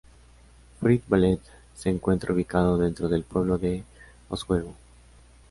Fruit Valley se encuentra ubicada dentro del pueblo de Oswego.